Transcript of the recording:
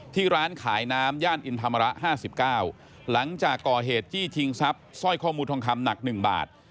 ร้านขายน้ำย่านอินธรรมระ๕๙หลังจากก่อเหตุจี้ชิงทรัพย์สร้อยข้อมือทองคำหนัก๑บาท